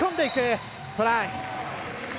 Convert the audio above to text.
トライ。